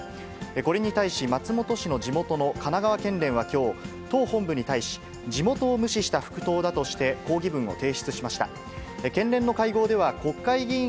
これに対し、松本市の地元の神奈川県連はきょう、党本部に対し、地元を無視した復党だとして、抗議文を提出しました。